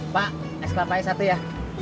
pak es kelapa es satu ya